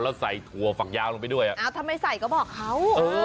แล้วใส่ถั่วฝักยาวลงไปด้วยอ่ะอ้าวทำไมใส่ก็บอกเขา